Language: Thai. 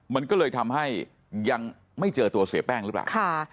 มันก็เลยทำให้ยังไม่เจอตัวเสียแป้งหรือเปล่า